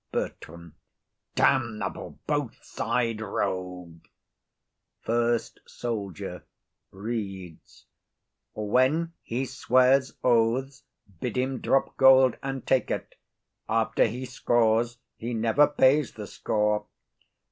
BERTRAM. Damnable both sides rogue! FIRST SOLDIER. [Reads.] _When he swears oaths, bid him drop gold, and take it; After he scores, he never pays the score.